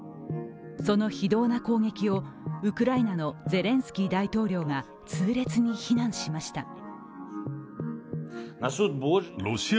その非道な攻撃をウクライナのゼレンスキー大統領が痛烈に非難しました。